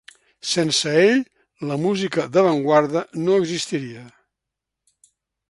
Sense ell, la música d’avantguarda no existiria.